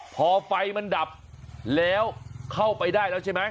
พอไฟมันดับแล้วเข้าไปได้แล้วใช่ไหม